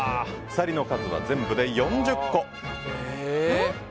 鎖の数は全部で４０個。